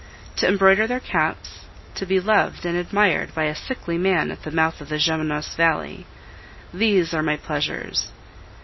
To embroider their caps, to be loved and admired by a sickly man at the mouth of the Gemenos valley there are my pleasures.